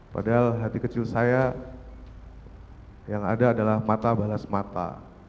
padahal hati kecil saya yang ada adalah mata balasmata